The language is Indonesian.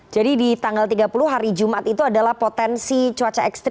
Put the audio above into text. jadi di tanggal tiga puluh hari jumat itu adalah potensi cuaca ekstrim